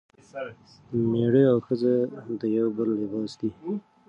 میړه او ښځه د یو بل لباس دي.